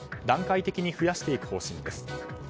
段階的に増やしていく方針です。